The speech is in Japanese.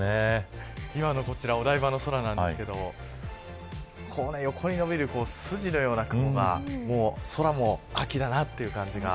今のお台場の空なんですけれど横に伸びるすじのような雲が空も秋だなという感じが。